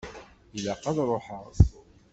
Ilaq ad ṛuḥeɣ?